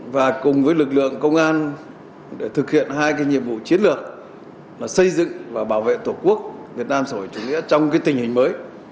và cùng với lực lượng công an để thực hiện hai nhiệm vụ chiến lược là xây dựng và bảo vệ tổ quốc việt nam sổ chủ nghĩa trong tình hình mới